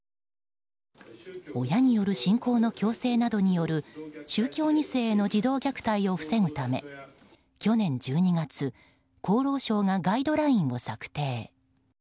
親による信仰の強制などによる宗教２世への児童虐待を防ぐため去年１２月厚労省がガイドラインを策定。